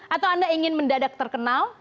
atau anda ingin mendadak terkenal